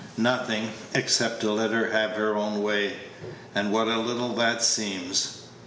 Nothing, except to let her have her own way; and what a little that seems!